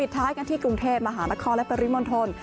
ได้กันที่กรุงเทศมหาละครและปริมณฑล